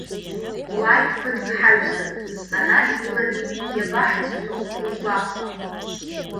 Уааи ԥыҭк ҳаҩсып, ара игылами, иабаҳацәцо зугәахәуа.